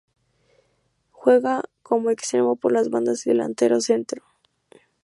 Juega como extremo por las bandas y Delantero centro.